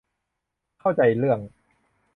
เข้าใจเรื่อง